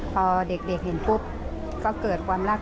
พอเด็กเห็นปุ๊บก็เกิดความรัก